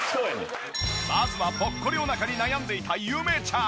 まずはぽっこりお腹に悩んでいたゆめちゃん。